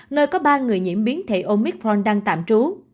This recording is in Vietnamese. nơi có ba người nhiễm biến thể omicron đang tạm trú